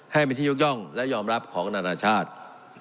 ให้เป็นที่ยกย่องและยอมรับของนานาชาติ